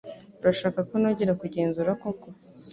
Urashaka ko nongera kugenzura koko?